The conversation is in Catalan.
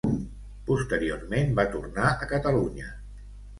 Posteriorment va tornar a Catalunya.